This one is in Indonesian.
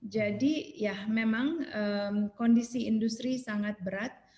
jadi ya memang kondisi industri sangat berat